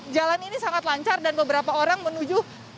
jalan ini sangat lancar dan beberapa orang menuju